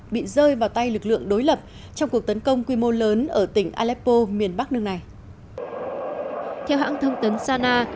bị rơi vào tay lực lượng đối lập trong cuộc tấn công quy mô lớn ở tỉnh aleppo miền bắc nước này